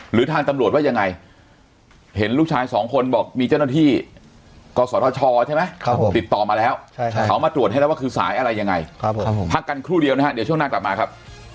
หรือทางตำรวจว่ายังไงเห็นลูกชายสองคนบอกมีเจ้าหน้าที่กศธชใช่ไหมติดต่อมาแล้วเขามาตรวจให้แล้วว่าคือสายอะไรยังไงพักกันครู่เดียวนะฮะเดี๋ยวช่วงหน้ากลับมาครับ